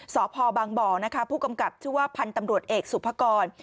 สพบางบ่อนะคะผู้กำกับชื่อว่าพันธ์ตำรวจเอกสุภกร